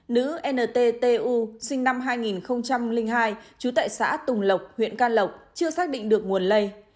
nữ n t t u sinh năm hai nghìn hai chú tại xã tùng lộc huyện căn lộc chưa xác định được nguồn lây